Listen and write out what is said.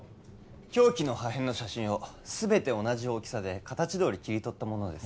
凶器の破片の写真をすべて同じ大きさで形どおり切り取ったものです